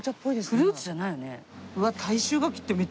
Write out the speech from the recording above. フルーツじゃないよね。